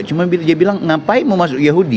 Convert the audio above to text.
cuma dia bilang ngapain mau masuk yahudi